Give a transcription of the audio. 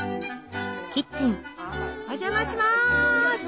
お邪魔します！